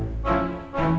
gak kecanduan hp